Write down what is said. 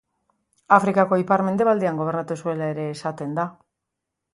Afrikako ipar-mendebaldean gobernatu zuela ere esaten da.